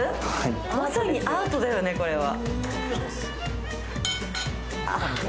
まさにアートだよね、これは。